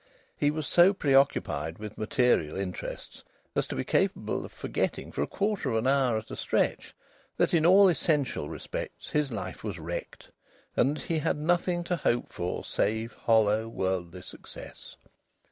He was so preoccupied with material interests as to be capable of forgetting, for a quarter of an hour at a stretch, that in all essential respects his life was wrecked, and that he had nothing to hope for save hollow worldly success.